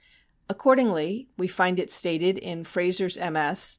Accordingly, we find it stated in ' Fraser's MS.'